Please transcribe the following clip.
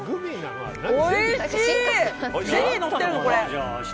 おいしい！